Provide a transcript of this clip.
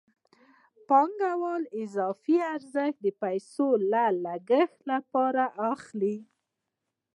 پانګوال له اضافي ارزښت پیسې د لګښت لپاره اخلي